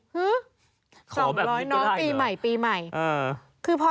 หื้อ